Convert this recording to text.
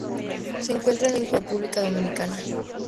Se encuentran en la República Dominicana.